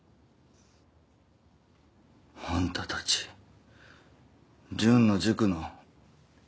あんたたち順の塾の。